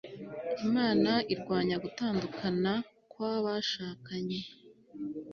imana irwanya gutandukana kwa bashakanye